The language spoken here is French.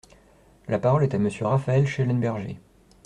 La parole est à Monsieur Raphaël Schellenberger.